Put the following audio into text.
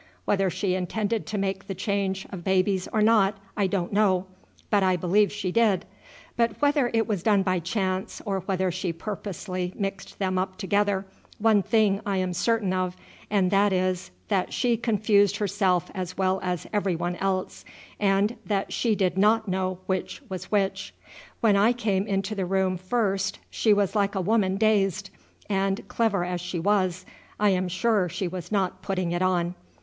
Whether she intended to make the change of babies or not I don't know, but I believe she did; but whether it was done by chance, or whether she purposely mixed them up together, one thing I am certain of, and that is, that she confused herself as well as every one else, and that she did not know which was which. When I came into the room first she was like a woman dazed, and, clever as she was, I am sure she was not putting it on.